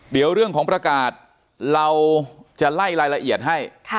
เดี๋ยวเรื่องของประกาศเราจะไล่รายละเอียดให้